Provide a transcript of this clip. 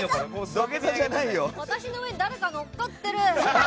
私の上に誰かが乗っかってる。